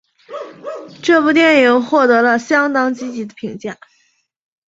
这部电影获得了相当积极的评价。